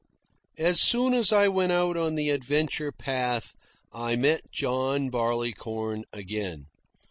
As soon as I went out on the adventure path I met John Barleycorn again.